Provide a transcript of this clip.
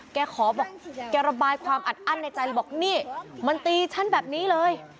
ขอบอกแกระบายความอัดอั้นในใจเลยบอกนี่มันตีฉันแบบนี้เลย